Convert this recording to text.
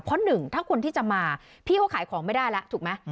เพราะหนึ่งถ้าคนที่จะมาพี่เขาขายของไม่ได้แล้วถูกไหม